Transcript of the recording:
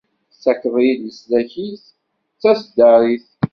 Tettakeḍ-iyi-d leslak-ik d taseddarit.